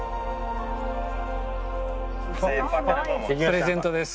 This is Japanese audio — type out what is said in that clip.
プレゼントです。